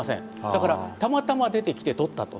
だからたまたま出てきて撮ったと。